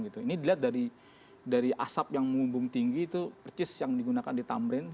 ini dilihat dari asap yang menghubung tinggi itu percis yang digunakan di tamrin